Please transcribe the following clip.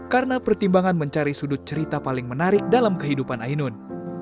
karena pertimbangan mencari sudut cerita paling menarik dalam kehidupan ainun